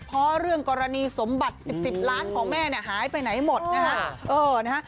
เพราะเรื่องกรณีสมบัติ๑๐๑๐ล้านของแม่เนี่ยหายไปไหนหมดนะฮะ